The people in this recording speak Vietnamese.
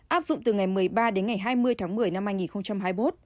áp dụng từ ngày một mươi ba đến ngày hai mươi tháng một mươi năm hai nghìn hai mươi một